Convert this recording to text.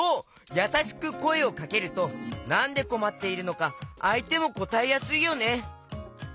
やさしくこえをかけるとなんでこまっているのかあいてもこたえやすいよね！